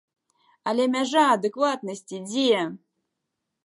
Але мяжа адэкватнасці дзе?